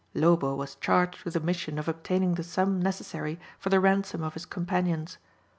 Lobo was charged with the mission of obtaining the sum necessary for the ransom of his companions.